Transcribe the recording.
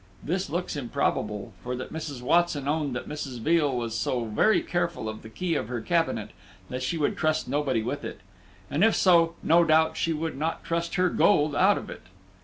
This looks improbable; for that Mrs. Watson owned that Mrs. Veal was so very careful of the key of her cabinet that she would trust nobody with it; and if so, no doubt she would not trust her gold out of it.